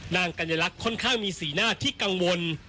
กัญลักษณ์ค่อนข้างมีสีหน้าที่กังวล